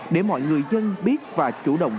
để mọi người dân biết và chủ động